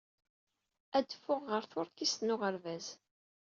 Ad adfeɣ ɣer tuṛkist n uɣerbaz.